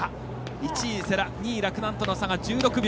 １位、世羅２位、洛南との差が１６秒。